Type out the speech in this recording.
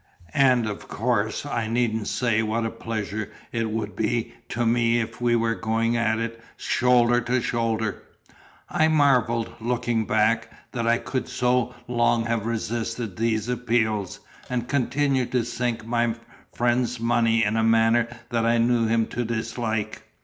And of course I needn't say what a pleasure it would be to me if we were going at it SHOULDER TO SHOULDER." I marvel (looking back) that I could so long have resisted these appeals, and continue to sink my friend's money in a manner that I knew him to dislike.